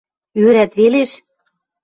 Ӧрӓт велеш!